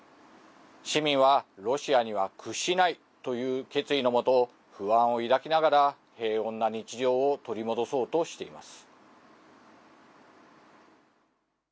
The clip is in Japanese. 市民はロシアには屈しないという決意の下、不安を抱きながらも平穏な日常を取り戻そうとしています。